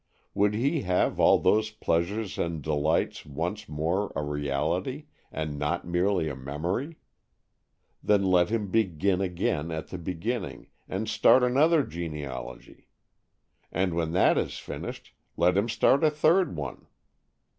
Would he have all those pleasures and delights once more a reality, and not merely a memory? Then let him begin again at the beginning, and start another genealogy! And when that is finished let him start a third one!